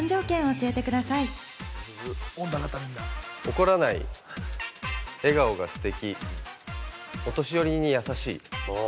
怒らない、笑顔がステキ、お年寄りに優しい。